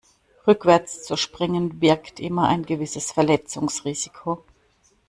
Rückwärts zu springen birgt immer ein gewisses Verletzungsrisiko.